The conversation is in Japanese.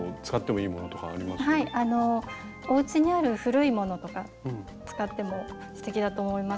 はいあのおうちにある古いものとか使ってもすてきだと思います。